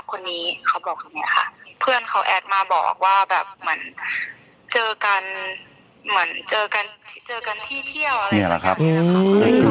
บอกว่าเหมือนเจอกันที่เที่ยวอะไรแบบนี้ค่ะ